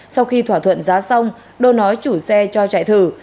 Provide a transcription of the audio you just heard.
sau khi thỏa thuận giá xong đô nói chủ xe cho chạy thử